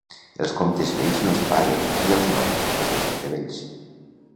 Els comptes vells no es paguen i els nous es deixen fer vells.